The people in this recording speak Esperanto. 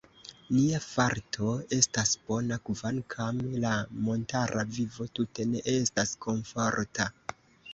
Nia farto estas bona, kvankam la montara vivo tute ne estas komforta.